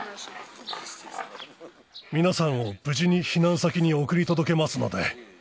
皆さんを無事に避難先に送り届けますので。